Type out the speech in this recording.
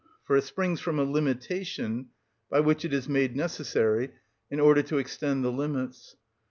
For it springs from a limitation, by which it is made necessary, in order to extend the limits.